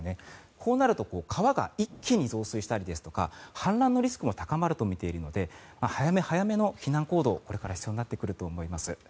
こうなると川が一気に増水したりですとか氾濫のリスクも高まると見ているので早め早めの避難行動、これから必要になってくると思います。